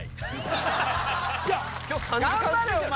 頑張れよお前